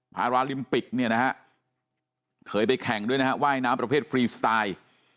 พาราลิมปิกเนี่ยนะฮะเคยไปแข่งด้วยนะฮะว่ายน้ำประเภทฟรีสไตล์